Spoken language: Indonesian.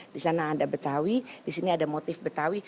di sana ada betawi di sini ada motif betawi